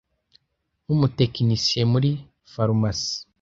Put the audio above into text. nkumutekinisiye muri Farumasi